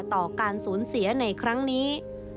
ต่อการสูญเสียในครั้งนี้